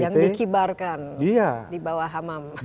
yang dikibarkan di bawah hamam